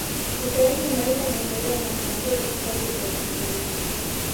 Utalii unaleta maendeleo na kuongeza kipato cha watanzania